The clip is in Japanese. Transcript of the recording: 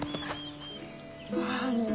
ああもう。